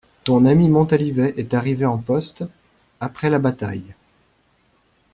Ton ami Montalivet est arrivé en poste, après la bataille.